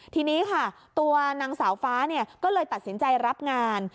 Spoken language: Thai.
ทีนี้ค่ะตัวนางสาวฟ้าก็เลยตัดสินใจรับงาน